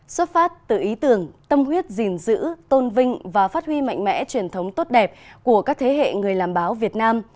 xuất phát từ ý tưởng tâm huyết dình dữ tôn vinh và phát huy mạnh mẽ truyền thống tốt đẹp của các thế hệ người làm báo việt nam